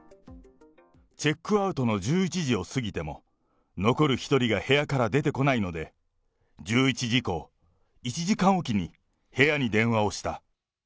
チェックアウトの１１時を過ぎても残る１人が部屋から出てこないので、１１時以降、１時間置きに部屋に電話をした。